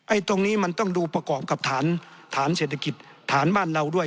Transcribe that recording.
ตรงนี้มันต้องดูประกอบกับฐานเศรษฐกิจฐานบ้านเราด้วย